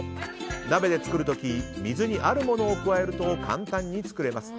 鍋で作る時水にあるものを加えると簡単に作れます。